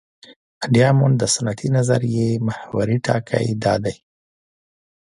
د ډیامونډ د سنتي نظریې محوري ټکی دا دی.